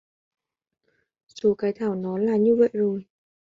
số cái thảo nó là như vậy rồi